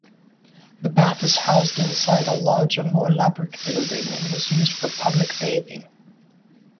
The bath is housed inside a larger-more elaborate-building and was used for public bathing.